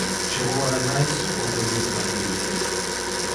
Xogou ademais outros dous partidos.